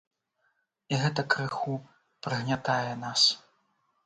І гэта крыху прыгнятае нас.